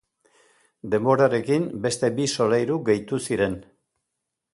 Denborarekin beste bi solairu gehitu ziren.